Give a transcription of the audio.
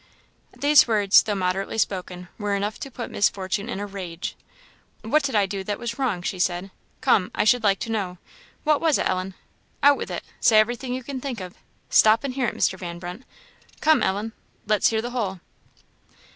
These words, though moderately spoken, were enough to put Miss Fortune in a rage. "What did I do that was wrong?" she said; "come, I should like to know. What was it, Ellen? Out with it; say everything you can think of; stop and hear it, Mr. Van Brunt; come, Ellen: let's hear the whole!"